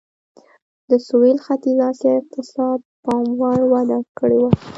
د سوېل ختیځې اسیا اقتصاد پاموړ وده کړې وه.